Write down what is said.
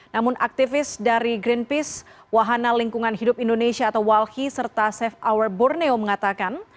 namun aktivis dari greenpeace wahana lingkungan hidup indonesia atau walhi serta safe hour borneo mengatakan